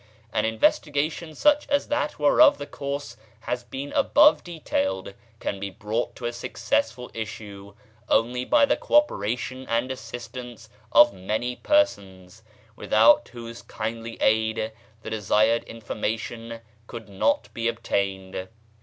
An investigation such as that whereof the course has been above detailed can be brought to a successful issue only by the co operation and assistance of many persons, without whose kindly aid the desired information could not be obtained.